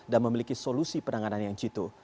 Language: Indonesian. dan memiliki solusi penanganan yang citu